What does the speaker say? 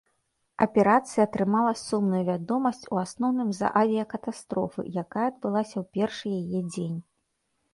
Аперацыя атрымала сумную вядомасць у асноўным з-за авіякатастрофы, якая адбылася ў першы яе дзень.